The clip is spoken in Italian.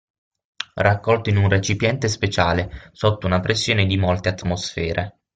Raccolto in un recipiente speciale sotto una pressione di molte atmosfere.